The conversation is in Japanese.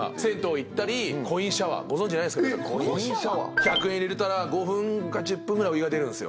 えっコインシャワー？１００円入れたら５分か１０分ぐらいお湯が出るんすよ。